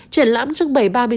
triển lãm trưng bày ba mươi sáu